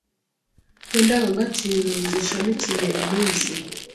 Mu ndangagaciro zishamikiye umunsi